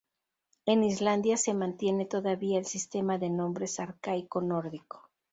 En Islandia se mantiene todavía el sistema de nombres arcaico nórdico.